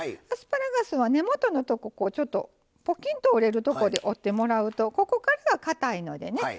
アスパラガスは根元のとこちょっとポキンと折れるとこで折ってもらうとここからはかたいのでね